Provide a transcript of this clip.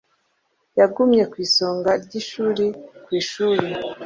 Yagumye ku isonga ry'ishuri ku ishuri.